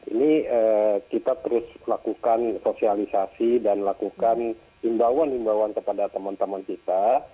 ini kita terus lakukan sosialisasi dan lakukan imbauan imbauan kepada teman teman kita